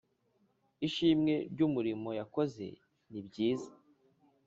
Ishimwe ry’ umurimo yakoze n’ ibyiza